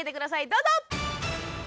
どうぞ！